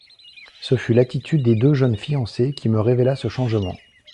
Ce fut l’attitude des deux jeunes fiancés qui me révéla ce changement.